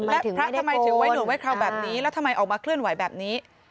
และพระทำไมถึงไว้หนูไว้คราวแบบนี้แล้วทำไมออกมาเคลื่อนไหวแบบนี้